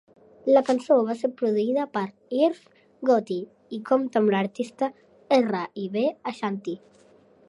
La cançó va ser produïda per Irv Gotti i compta amb l'artista R i B Ashanti.